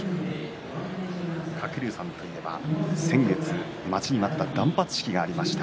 鶴竜さんといえば、先月待ちに待った断髪式がありました。